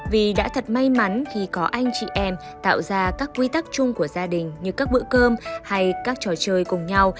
vì đã thật may mắn khi có anh chị em tạo ra các quy tắc chung của gia đình như các bữa cơm hay các trò chơi cùng nhau